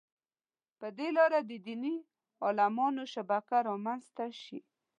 په دې لاره د دیني عالمانو شبکه رامنځته شي.